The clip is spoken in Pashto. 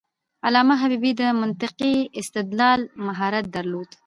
علامه حبيبي د منطقي استدلال مهارت درلود.